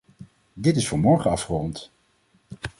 Dit is vanmorgen afgerond.